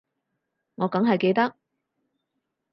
我梗係記得